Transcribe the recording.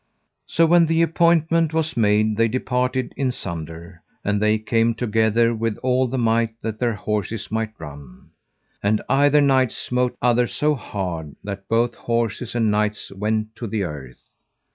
So when the appointment was made, they departed in sunder, and they came together with all the might that their horses might run. And either knight smote other so hard that both horses and knights went to the earth.